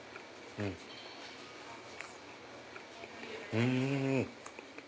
うん！